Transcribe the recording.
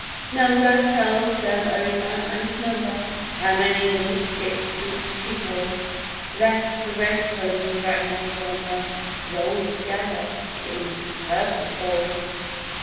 Number, tell them over and number How many the mystic fruit tree holds, Lest the redcombed dragon slumber Rolled together in purple folds.